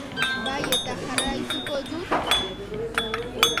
Bai, eta jarraituko du izaten.